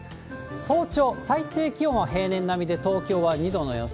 早朝、最低気温は平年並みで、東京は２度の予想。